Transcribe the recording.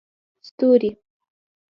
ستوري